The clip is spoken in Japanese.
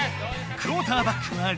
クオーターバックはリラ。